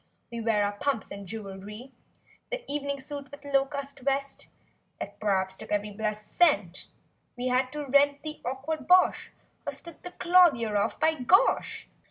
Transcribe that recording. We wear our pumps and jewelry; The evening suit with low cut vest (That p'raps took every blessed cent We had to rent the awkward bosh, Or "stood the clothier off" by gosh!)